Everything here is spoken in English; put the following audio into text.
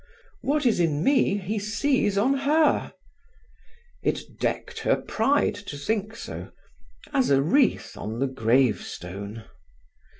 "What is in me, he sees on her." It decked her pride to think so, as a wreath on the gravestone.